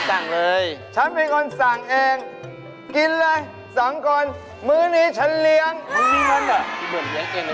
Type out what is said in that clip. สั่งเลยฉันเป็นคนสั่งเองกินเลยสองคนมื้อนี้ฉันเลี้ยงมื้อนั้นอ่ะ